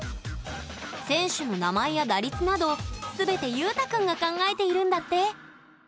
選手の名前や打率など、すべてゆうたくんが考えているんだって。